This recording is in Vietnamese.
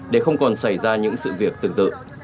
để không còn xảy ra những sự việc tương tự